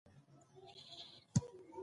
افغانستان د پابندی غرونه کوربه دی.